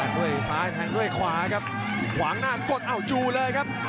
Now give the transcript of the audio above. ด้วยซ้ายแทงด้วยขวาครับขวางหน้ากดเอาจู่เลยครับ